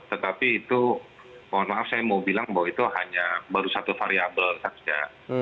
tetapi itu mohon maaf saya mau bilang bahwa itu hanya baru satu variable saja